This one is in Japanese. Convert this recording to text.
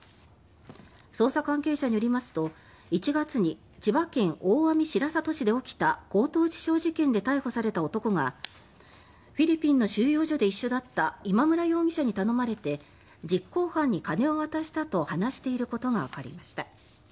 捜査関係者によりますと１月に千葉県大網白里市で起きた強盗致傷事件で逮捕された男がフィリピンの収容所で一緒だった今村容疑者に頼まれて実行犯に金を渡したと話していることがわかりました。